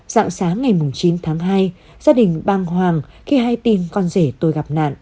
sáng sáng ngày chín tháng hai gia đình băng hoàng khi hai tin con rể tôi gặp nạn